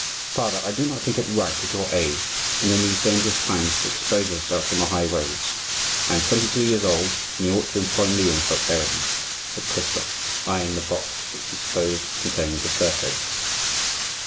"Father, I do not think it right at your age and in these dangerous times to expose yourself on the high roads. I am twenty two years old, and you ought to employ me on such errands," said Christophe, eyeing the box which he supposed contained the surcoat.